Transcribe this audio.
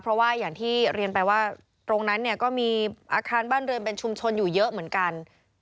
เพราะว่าอย่างที่เรียนไปว่าตรงนั้นเนี่ยก็มีอาคารบ้านเรือนเป็นชุมชนอยู่เยอะเหมือนกัน